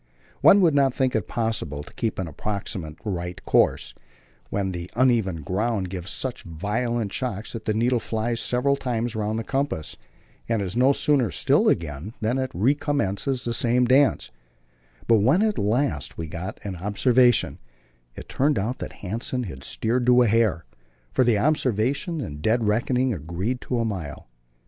One would not think it possible to keep an approximately right course when the uneven ground gives such violent shocks that the needle flies several times round the compass, and is no sooner still again than it recommences the same dance; but when at last we got an observation, it turned out that Hanssen had steered to a hair, for the observations and dead reckoning agreed to a mile.